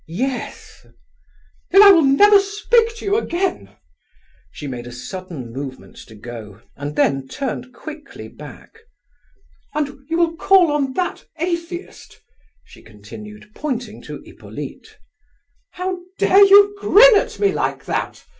"Yes." "Then I will never speak to you again." She made a sudden movement to go, and then turned quickly back. "And you will call on that atheist?" she continued, pointing to Hippolyte. "How dare you grin at me like that?"